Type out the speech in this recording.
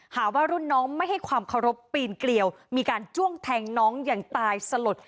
หาว่ารุ่นน้องไม่ให้ความเคารพปีนเกลียวมีการจ้วงแทงน้องอย่างตายสลด